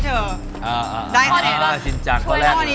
อันนี้จะเป็นการ์ตูนก็น่าจะจัก